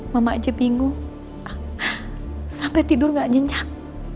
mama aja bingung sampai tidur gak nyenyak